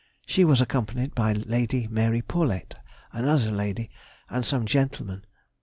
She was accompanied by Lady Mary Paulet, another lady, and some gentlemen.